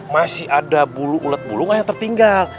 masih ada bulu ulet bulungah yang tertinggal